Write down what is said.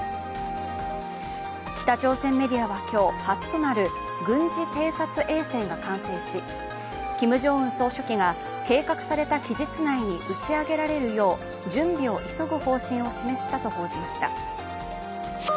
北朝鮮メディアは今日初となる軍事偵察衛星が完成しキム・ジョンウン総書記が計画された期日内に打ち上げられるよう準備を急ぐ方針を示したと報じました。